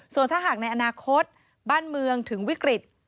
ส่วนถ้าหากในอนาคตบ้านเมืองถึงวิกฤต